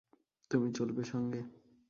তুমি চলবে সঙ্গে।